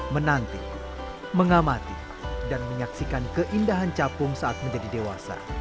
menanti mengamati dan menyaksikan keindahan capung saat menjadi dewasa